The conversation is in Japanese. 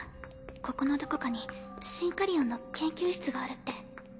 ここのどこかにシンカリオンの研究室があるって。